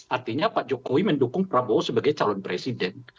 artinya pak jokowi mendukung prabowo sebagai calon presiden